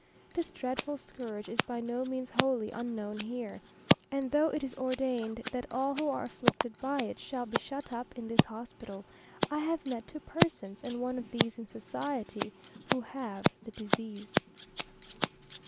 This dreadful scourge is by no means wholly unknown here; and though it is ordained that all who are afflicted by it shall be shut up in this hospital, I have met two persons, and one of these in society, who have the disease.